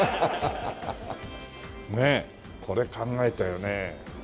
ねえこれ考えたよね。